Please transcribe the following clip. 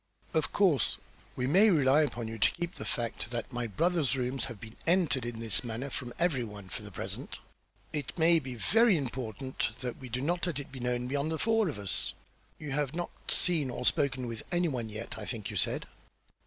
"Of course we may rely upon you to keep the fact that my brother's rooms have been entered in this manner from every one, for the present. It may be very important that we do not let it be known beyond the four of us. You have not seen or spoken with any one as yet, I think you said?"